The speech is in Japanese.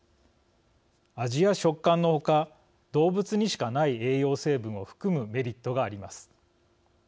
味や食感の他動物にしかない栄養成分を含むメリットがあります。